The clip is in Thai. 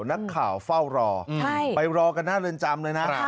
นักข่าวเฝ้ารอไปรอกันหน้าเรือนจำเลยนะ